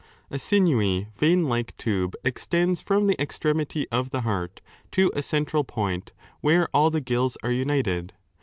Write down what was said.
A sinewy vein like tube extends from the extremity of the heart^ to a central point, where all the gills are united.